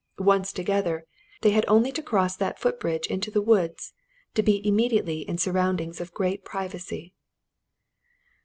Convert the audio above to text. Once together, they had only to cross that foot bridge into the woods to be immediately in surroundings of great privacy.